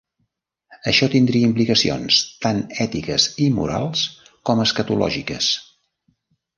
Això tindria implicacions tant ètiques i morals com escatològiques.